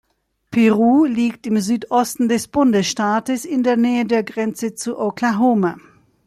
Peru liegt im Südosten des Bundesstaates in der Nähe der Grenze zu Oklahoma.